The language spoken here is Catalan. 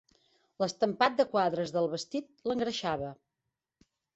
L'estampat de quadres del vestit l'engreixava.